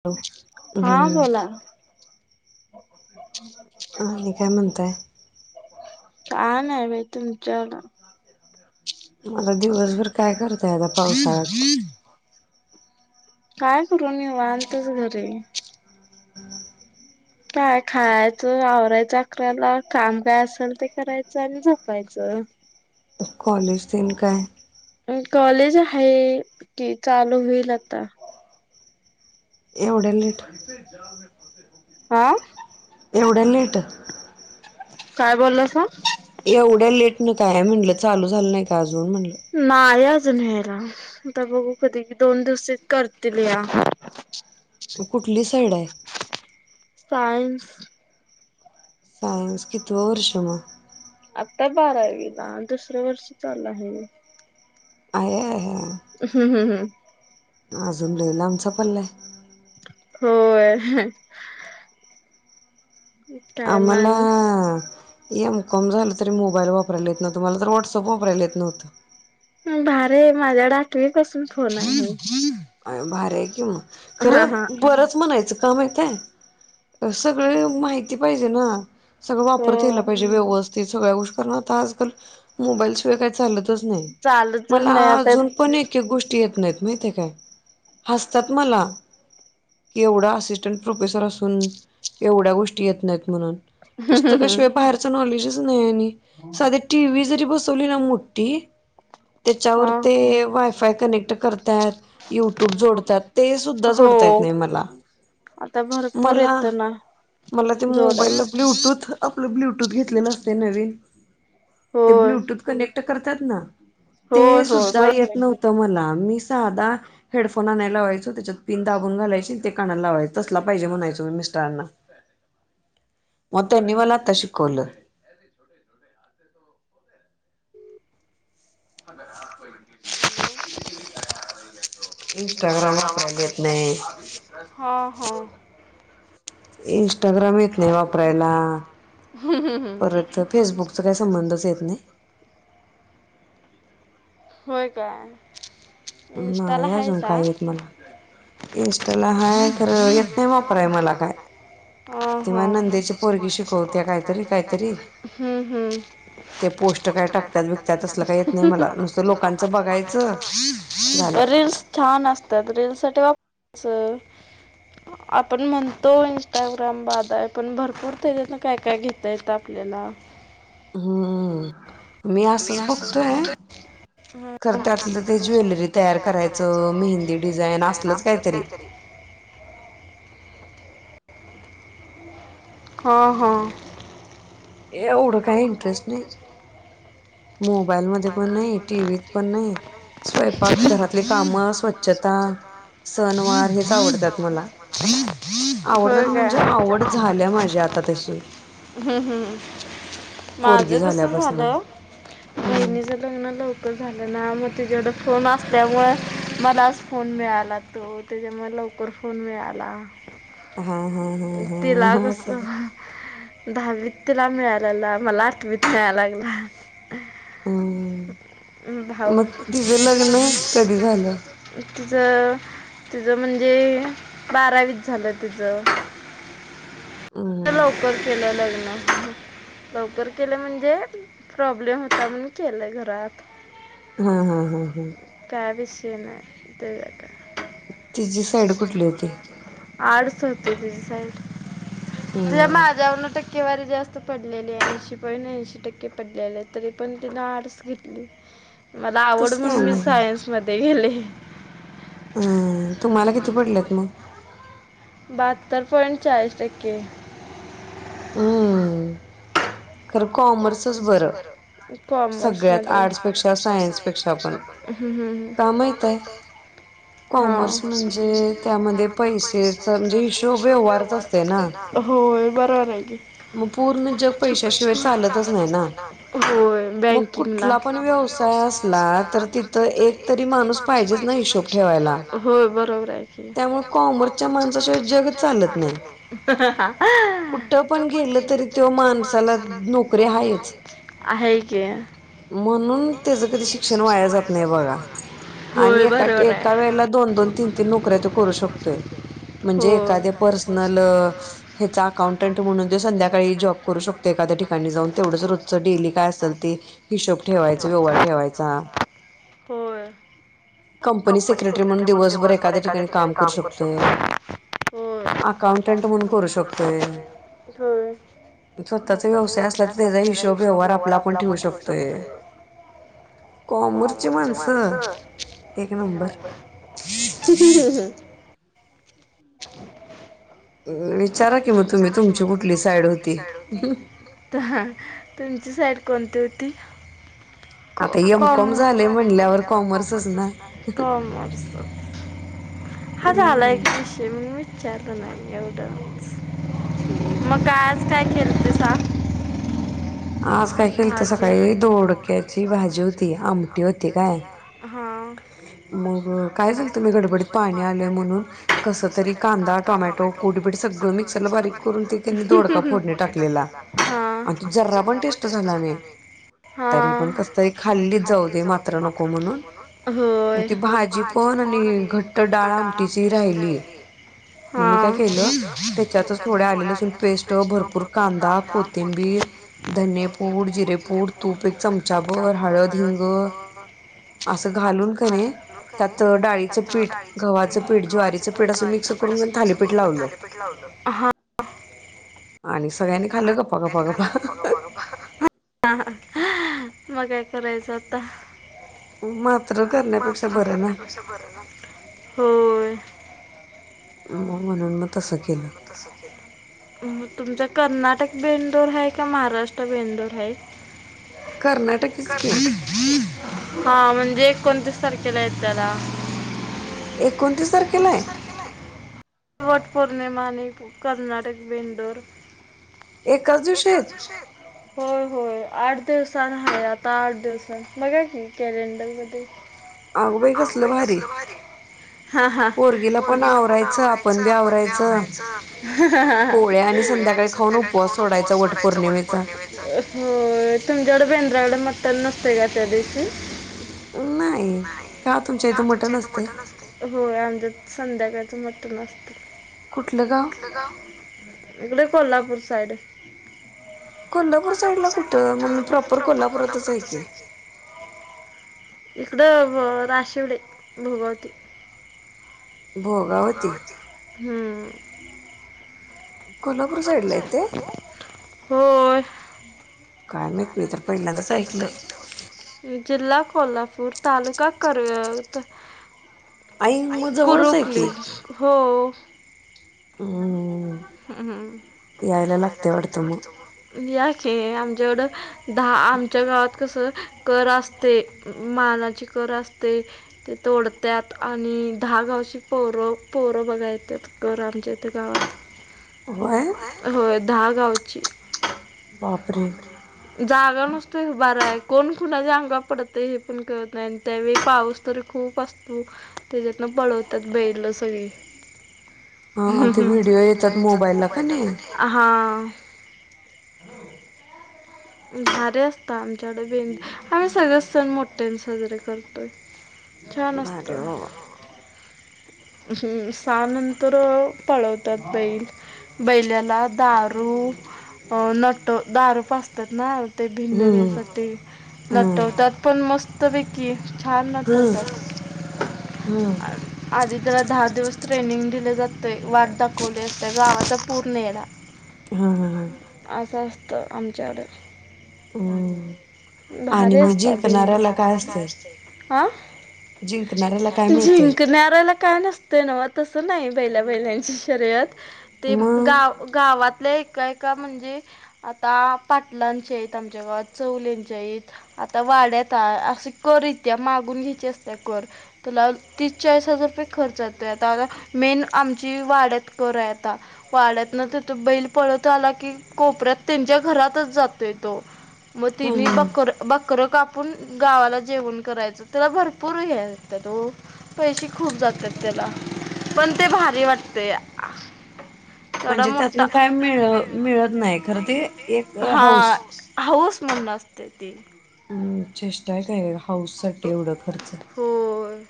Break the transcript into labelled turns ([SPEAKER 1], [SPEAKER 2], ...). [SPEAKER 1] त उम
[SPEAKER 2] हा बोला
[SPEAKER 1] ह आणि काय म्हणताय?
[SPEAKER 2] काय ना बाई तुमच्या ना
[SPEAKER 1] मला दिवसभर काय करताय आता पावसाळ्यात?
[SPEAKER 2] काय करू निवांतच घरी काय, खायचं, आवरायचं अकराला, काम काय असेल ते करायचं आणि झोपायचं.
[SPEAKER 1] कॉलेज तन काय?
[SPEAKER 2] अह कॉलेज आहे कि चालू होईल आता.
[SPEAKER 1] एवढ्या लेट
[SPEAKER 2] हा.
[SPEAKER 1] एवढ्या लेट.
[SPEAKER 2] काय बोललासा
[SPEAKER 1] एवढ्या लेट न काय, म्हटलं चालू झालं नाही का अजून म्हटलं
[SPEAKER 2] नाय अजून हेरा आता बघू कधी दोन दिवस करतील या
[SPEAKER 1] म कुठली साईड आहे.
[SPEAKER 2] सायन्स.
[SPEAKER 1] सायन्स, कितव वर्ष मग?
[SPEAKER 2] आता बारावीला, दुसर वर्ष चालू आहे.
[SPEAKER 1] आया आया.
[SPEAKER 2] हम् हम हम
[SPEAKER 1] अजून लय लामचा पल्लाय.
[SPEAKER 2] होय. काय मग
[SPEAKER 1] आम्हाला
[SPEAKER 2] आणि
[SPEAKER 1] एम कॉम झालं तरी मोबाईल वापरायला येत नव्हतं, मला तर व्हॉट्सअप वापरायला येत नव्हतं.
[SPEAKER 2] भारी माझ्याकड आठवीपासून फोन आहे.
[SPEAKER 1] अय्या भारी आहे कि म,
[SPEAKER 2] हा हा.
[SPEAKER 1] खरं बरच म्हणायचं का माहितय सगळे माहिती पाहिजे ना. सगळं वापरता या
[SPEAKER 2] हो
[SPEAKER 1] पाहिजे व्यवस्थित सगळ्या गोष्टी कारण आता आजकाल मोबाईल शिवाय काय चालत च नाही.
[SPEAKER 2] चालतच
[SPEAKER 1] मला
[SPEAKER 2] नाही आता
[SPEAKER 1] अजून पण इ गोष्टी येत नाहीत माहितीेय काय हसतात मला. एवढा असिस्टंट प्रोफेसर असून एवढ्या गोष्टी येत नाहीत म्हणून. पुस्तकाशिवाय बाहेर च नॉलेजच नाही आणि साधी टीव्ही जरी बसवली ना मोठी
[SPEAKER 2] हा
[SPEAKER 1] त्याच्यावर ते वायफाय कनेक्ट करत्यात. युट्यूब जोडतात, ते सुद्धा जोडता येत
[SPEAKER 2] हो
[SPEAKER 1] नाही मला.
[SPEAKER 2] आता भरपूर
[SPEAKER 1] मला
[SPEAKER 2] येत ना
[SPEAKER 1] मला ते मोबाईलला
[SPEAKER 2] जोडायला
[SPEAKER 1] ब्लू टूथ आपलं ब्लूटूथ घेतलेलं असतय नवीन ते
[SPEAKER 2] होय
[SPEAKER 1] ब्लूटूथ कनेक्ट क्ट करतात ना ते
[SPEAKER 2] होय होय
[SPEAKER 1] सुद्धा
[SPEAKER 2] बरोबर
[SPEAKER 1] येत नव्हत मला मी साधा हेडफोन आणायला लावायचो त्याच्यात पिन दाबून घालायची अन ते कानाला लावायचं तसला पाहिजे म्हणायचो मी मिस्टरांना. म त्यांनी मला आत्ता शिकवल. म्ह हा
[SPEAKER 2] हॅलो!
[SPEAKER 1] इंस्टाग्राम वापरायला येत नाही.
[SPEAKER 2] हा हा
[SPEAKER 1] इंस्टाग्राम येत नाही वापरायला, परत फेसबुक चा काय संबंधच येत नाही.
[SPEAKER 2] होय काय? इंस्टाला
[SPEAKER 1] नाही अजून
[SPEAKER 2] हायसा
[SPEAKER 1] काय येत मला. इंस्टाला हाय खरं येत नाही वापराय मला काय.
[SPEAKER 2] हां
[SPEAKER 1] तेव्हा
[SPEAKER 2] हां,
[SPEAKER 1] नंदेची पोरगी शिकवत्या काहीतरी काहीतरी
[SPEAKER 2] हम हम.
[SPEAKER 1] ते पोस्ट काय टाकत्यात बिकत्यात तसलं काय येत नाही मला नुसतं लोकांचं बघायचं. झालं
[SPEAKER 2] रिल्स छान असतात रिल्स साठी वापरायच.
[SPEAKER 1] [inaudible]
[SPEAKER 2] आपण म्हणतो इंस्टाग्राम बाद आहे पण भरपूर त्याच्यातन काय काय घेता येतं आपल्याला.
[SPEAKER 1] हम्म मी असच बघतोय
[SPEAKER 2] हा
[SPEAKER 1] खर त्यातलं ते ज्वेलरी तयार करायचं मेहंदी डिझाईन असलच काहीतरी. [inaudible]
[SPEAKER 2] हा हा.
[SPEAKER 1] एवढं काही इंटरेस्ट नाही. मोबाईल मध्ये पण नाही टीव्हीत पण नाही, स्वयंपाक घरातली काम स्वच्छता सणवार हेच आवडत्यात मला,
[SPEAKER 2] होय
[SPEAKER 1] आवडत्यात
[SPEAKER 2] काय
[SPEAKER 1] म्हणजे आवड झाल्या माझी आता. तशी.
[SPEAKER 2] हम हम
[SPEAKER 1] पोरगी
[SPEAKER 2] माझं कस
[SPEAKER 1] झाल्यापासन
[SPEAKER 2] झालं
[SPEAKER 1] हम्म
[SPEAKER 2] बहिणीच लग्न लवकर झालं ना मग तिच्याकड फोन असल्यामुळे मलाच फोन मिळाला तो. त्याच्यामुळे लवकर फोन मिळाला
[SPEAKER 1] हा हा हा हा
[SPEAKER 2] तिला
[SPEAKER 1] हा
[SPEAKER 2] कस
[SPEAKER 1] असं
[SPEAKER 2] दहावीत तिला मिळालेला मला आठवीत मिळाय लागला.
[SPEAKER 1] हम
[SPEAKER 2] भाऊ
[SPEAKER 1] मग तिझं लग्न कधी झालं?
[SPEAKER 2] तिज तिज म्हणजे बारावीच झालं तिचं. [inaudible]
[SPEAKER 1] हम्म
[SPEAKER 2] लवकर केलं लग्न. लवकर केलं म्हणजे प्रॉब्लेम होता म्हणून केलं घरात.
[SPEAKER 1] हा हा हा हा.
[SPEAKER 2] काय विषय नाही ते का.
[SPEAKER 1] तीजी साईड कुठली होती?
[SPEAKER 2] आर्ट्स होती तिची साईड, खरं
[SPEAKER 1] हम्म
[SPEAKER 2] माझ्यावरन टक्केवारी जास्त पड लेले ऐंशी पॉईट ऐंशी टक्के पडलेले तरी पण तिन आर्ट्स घेतली. मला आवड
[SPEAKER 1] तसं काय
[SPEAKER 2] म्हणून मी
[SPEAKER 1] नाही
[SPEAKER 2] सायन्स मध्ये गेले.
[SPEAKER 1] आ तुम्हाला किती पडलेत मग?
[SPEAKER 2] बाहत्तर पॉइंट चाळीस टक्के.
[SPEAKER 1] हम्म. खरं कॉमर्सच बरं सगळ्यात
[SPEAKER 2] कॉमर्समध्ये
[SPEAKER 1] आर्ट्सपेक्षा, सायन्सपेक्षा पण.
[SPEAKER 2] हू हू हू.
[SPEAKER 1] का माहित आहे? कॉमर्स म्हणजे त्यामध्ये पैसेच म्हणजे हिशोब व्यवहारच असतय न.
[SPEAKER 2] होय बरोबर आहे की.
[SPEAKER 1] मग पूर्ण जग पैशाशिवाय चालत तच नाही ना
[SPEAKER 2] होय
[SPEAKER 1] मग
[SPEAKER 2] बँकिंगला
[SPEAKER 1] कुटला पण व्यवसाय असला तर ति तर एक तरी माणूस पाहिजेच ना हिशोब ठेवायला
[SPEAKER 2] होय बरोबर आहे की
[SPEAKER 1] त्यामुळ कॉमर्स च्या माणसाशिवाय जगत चालत नाही.
[SPEAKER 2] [inaudible]
[SPEAKER 1] कुठं पण गेलं तरी त्यो माणसाला द्नो
[SPEAKER 2] आहे कीअ
[SPEAKER 1] म्हणून त्याच कधी शिक्षण वाया जात नाही बघा आणि
[SPEAKER 2] होय
[SPEAKER 1] एका
[SPEAKER 2] बरोबर
[SPEAKER 1] टेका
[SPEAKER 2] आहे
[SPEAKER 1] वेळेला दोन दोन तीन तीन नौकऱ्या करू शकतोय. म्हणजे
[SPEAKER 2] होय
[SPEAKER 1] एखाद्या पर्सनलअ हेच अकाउंट- टंट म्हणून ते संध्याकाळी जॉब करू शकतो एखाद्या ठिकाणी जाऊन तेवढंच रोज्च डेली काय असेल ते हिशोब ठेवायचं, व्यवहार ठेवायचा.
[SPEAKER 2] होय. कंपनी सेक्रेटरी म्हणून दिवसभर एखाद्या ठिकाणी काम करू शकतो. होय. आता
[SPEAKER 1] अकाउंटंट
[SPEAKER 2] असं
[SPEAKER 1] म्हणून
[SPEAKER 2] टोंड करू
[SPEAKER 1] शकतोय.
[SPEAKER 2] शकतोय. स्वतःच
[SPEAKER 1] उसे असला त त्याचा हिशोब व्यवहार आपला पण ठेवू शकतोये. कॉमरची माणसं? एक नंबर.
[SPEAKER 2] ह ह ह हम [unintelligible]
[SPEAKER 1] विचारा कि म तुम्ही, तुमची कुठली साईड होती?
[SPEAKER 2] तहाआ तुमची साईड कोणती होती? बी कॉम झालंय म्हणल्यावर कॉमर्सच ना. कॉमर्स.
[SPEAKER 1] अअम
[SPEAKER 2] तेमुन मी चारल नाई एवढं च्
[SPEAKER 1] अ ह म
[SPEAKER 2] मका आज काय खेलते सा-
[SPEAKER 1] आज काय खेलतं सकाई दोडक्याची भाजी होती, आमटी होती काय?
[SPEAKER 2] हमम
[SPEAKER 1] मग झालं
[SPEAKER 2] काय
[SPEAKER 1] तुम्ही
[SPEAKER 2] सगतो मी गडबडीत पाणी
[SPEAKER 1] आले
[SPEAKER 2] आणल्याव म्हणून
[SPEAKER 1] कसं
[SPEAKER 2] कस तरी कांदा, टोमॅटो,
[SPEAKER 1] कोडबीट
[SPEAKER 2] कुटबिट सगळं मिक्सरला
[SPEAKER 1] बारीक करून ते त्यांनी
[SPEAKER 2] बारीक [unintelligible] टाकलेला आहे. हां
[SPEAKER 1] आण् तु जर्रा पण टेस्ट झाला नाही. तरी पण
[SPEAKER 2] हां
[SPEAKER 1] कस् तरी खाल्ली जाऊ दे मात्र नको म्हणून. म
[SPEAKER 2] होय
[SPEAKER 1] ती भाजी पण आणि घट्ट डाळ आमटीची राहिली. मग्मी काय
[SPEAKER 2] हां
[SPEAKER 1] केलं, त्याच्यातच थोडे आले लसून पेस्ट, भरपूर कांदा, कोथिंबीर धनेपूड, जिरेपूड, तूप एक चमचा भर, हळद, हिंग
[SPEAKER 2] [unintelligible]
[SPEAKER 1] असं घालून कणे त्यातं डाळीचं पीठ, गव्हाचं पीठ, ज्वारीचं पीठ असं मिक्स करून कन् थालीपीठ लावलं.
[SPEAKER 2] हा
[SPEAKER 1] आणि सगळ्यांनी खाल्लं गप.
[SPEAKER 2] तेच खाल्ल गपा गपा गपा. आहाआह् म काय करायचं आता?
[SPEAKER 1] मात्र करण्यापेक्षा बरं ना.
[SPEAKER 2] होओय
[SPEAKER 1] मग म्हणून मग तसं केलं.
[SPEAKER 2] तसं केलं. तुमचं कर्नाटक बेंदोर हाऐ का महाराष्ट्र बेंदोर हाऐ?
[SPEAKER 1] कर्नाटकीच की
[SPEAKER 2] कर्नाटक. हा म्हणजे एकोणतीस तारखेला येत त्याला.
[SPEAKER 1] एकोणतीस तारखेला आहे?
[SPEAKER 2] वटपौर्णिमा आणि कर्नाटक बेंडोर. एकाच दिवशी? होय होय आठ दिवसांन हाय आता आठ दिवस बघा की कॅलेंडरमध्ये. अगं बाई कसलं भारी. हा हा, पोरगीला पण आवराय आपण बी आवरायचं पोळी आणि संध्याकाळी खाऊन उपवास सोडायचा वटपौर्णिमे चा होय तुमच्याकडं [unintelligible] डे मटन नसतेय का त्या दिवशी?
[SPEAKER 1] नाही का तुमच्या इथे मटण असते?
[SPEAKER 2] होय आमच्यात संध्याकाळचं मटन अस कुठलं गाव? इकडे कोल्हापूर साईड.
[SPEAKER 1] कोल्हापूर साईडला कुठं? मग मी प्रॉपर कोल्हापुरातच आहे की.
[SPEAKER 2] इकडं राशेवडे भोगावती.
[SPEAKER 1] भोगावती.
[SPEAKER 2] हम्म.
[SPEAKER 1] कोल्हापूर साईडलाय ते?
[SPEAKER 2] होय
[SPEAKER 1] काय माहित? मी तर पहिल्यांदाच ऐकलं.
[SPEAKER 2] जिल्हा कोल्हापूर, तालुका कर्वे
[SPEAKER 1] आई मग जवळच आहे की
[SPEAKER 2] कुरुखली हो.
[SPEAKER 1] हम्म.
[SPEAKER 2] यायला लागतंय वाटतं मग? या की आमच्याकडं दहा आमच्या गावात कसं कर असते मानाची कर असते. ते तोडत्यात आणि दहा गावची पोरं पोरं बघा येत्यात कर आमच्या इथे गावात.
[SPEAKER 1] व्हय?
[SPEAKER 2] होय दहा गावची. बापरे. जागा नसतोय उभाराय, कोण कुणाच्या अंगावर पडतय हे पण कळत नाही. त्यावेळी पाऊस तर खूप असतो त्याच्यातनं पळवतात बैलं सगळी.
[SPEAKER 1] हा हा ते व्हिडिओ येतात मोबाईलला का नई?
[SPEAKER 2] हा. भारी असतं आमच्याकडे भें, आम्ही सगळेच सण मोठ्याने साजरे करतोय. छान
[SPEAKER 1] भारी आहे
[SPEAKER 2] असतं.
[SPEAKER 1] बाबा
[SPEAKER 2] हम्म सहा नंतर पळवतात बैल. बैल्याला दारू नट दारू पाज वतात ना ते
[SPEAKER 1] हम्म
[SPEAKER 2] भिन्नवण्यासाठी
[SPEAKER 1] हम्म
[SPEAKER 2] नटवतात पण मस् त पैकीं छान
[SPEAKER 1] हम्म
[SPEAKER 2] नटवतात.
[SPEAKER 1] हम्म
[SPEAKER 2] आधी त्याला दहा दिवस ट्रेनिंग दिले जातंय, वाट दाखवली असते गावाचा पूर्ण येडा.
[SPEAKER 1] हम्म हम्म
[SPEAKER 2] असं असतं आमच्याकडे.
[SPEAKER 1] हम्म. आणि
[SPEAKER 2] भारी
[SPEAKER 1] मग
[SPEAKER 2] असतं बेंदुर.
[SPEAKER 1] जिंकणाऱ्याला काय असते
[SPEAKER 2] आ?
[SPEAKER 1] जिंकणाऱ्याला काय मिळते
[SPEAKER 2] जिंकणाऱ्याला काय नसते. नव्ह ते तसं नाही बैल्या बैलांची शर्यत ते
[SPEAKER 1] मग
[SPEAKER 2] गाव गावातले एकाएका म्हणजे आता पाटलांचेत आमच्या गावात चवलेंच्या आहेत. आता वाड्यात असं कर येत्या मागून घ्यायची असत्या कर. तिला तीस चाळीस हजार रुपये खर्च जातो आता मेन आमची वाड्यात कर आहे आता. वाड्यातनं तिथं बैल पळत आला की कोपऱ्यात त्यांच्या घरात च जातोय तो मग तिनी
[SPEAKER 1] हम्म
[SPEAKER 2] बकरं बकरं कापून गावाला जेवण करायचं, त्याला भरपूर हे असतात ओ. पैसे खूप जातात त्याला, पण ते भारी वाटतया.
[SPEAKER 1] म्हणजे त्यातन काय मिळ मिळत नाही खरं ते एक
[SPEAKER 2] हा
[SPEAKER 1] हाऊस
[SPEAKER 2] हाऊस म्हणून असते ते.
[SPEAKER 1] हम्म चेष्टाय काय हौस साठी एवढं खर्च
[SPEAKER 2] होय